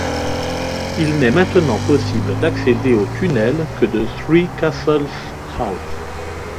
Il n'est maintenant possible d'accéder aux tunnels que de Three Castles House.